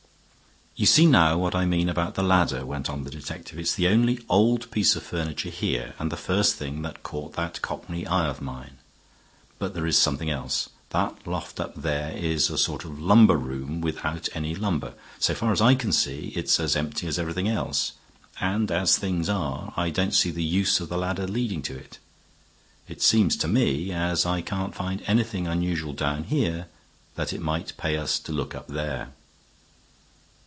"You see now what I mean about the ladder," went on the detective; "it's the only old piece of furniture here and the first thing that caught that cockney eye of mine. But there is something else. That loft up there is a sort of lumber room without any lumber. So far as I can see, it's as empty as everything else; and, as things are, I don't see the use of the ladder leading to it. It seems to me, as I can't find anything unusual down here, that it might pay us to look up there."